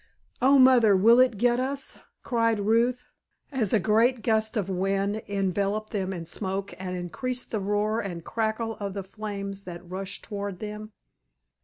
"Oh, Mother, will it get us?" cried Ruth, as a great gust of wind enveloped them in smoke and increased the roar and crackle of the flames that rushed toward them.